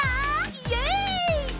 イエイ！